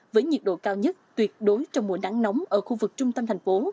với nhiệt độ cao nhất tuyệt đối trong mùa nắng nóng ở khu vực trung tâm thành phố